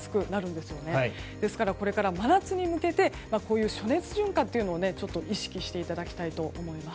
ですから、これから真夏に向けてこういう暑熱順化というのを意識していただきたいと思います。